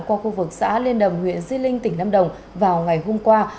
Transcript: qua khu vực xã liên đầm huyện di linh tỉnh lâm đồng vào ngày hôm qua